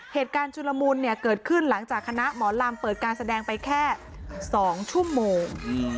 เหตุการณ์ชุนละมุนเกิดขึ้นหลังจากคณะหมอลัมเปิดการแสดงแค่๒ชุมโมง